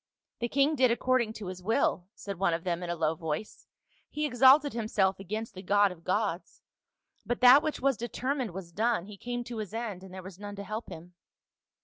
"The king did according to his will," said one of them in a low voice. " He exalted himself against the God of gods ; but that which was determined was done ; he came to his end and there was none to help him."